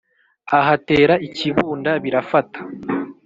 ahatera ikibunda birafata,